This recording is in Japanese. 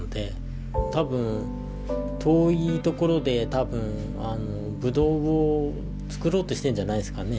多分遠いところで多分ぶどうを作ろうとしてるんじゃないですかね。